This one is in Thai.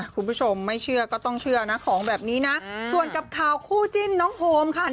คุณผู้ชมไม่เชื่อก็ต้องเชื่อนะของแบบนี้นะส่วนกับข่าวคู่จิ้นน้องโฮมค่ะ